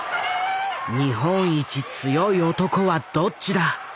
日本一強い男はどっちだ